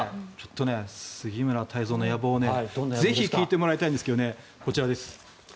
杉村太蔵の野望をぜひ、聞いてもらいたいんですがこちらです。